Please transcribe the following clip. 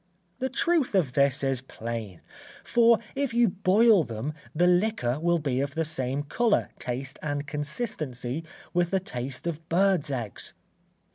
The truth of this is plain, for if you boil them the liquor will be of the same colour, taste and consistency, with the taste of birds' eggs.